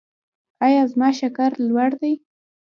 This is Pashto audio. ایا زما شکر لوړ دی؟